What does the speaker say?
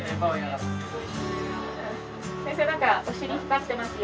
先生何かお尻光ってますよ。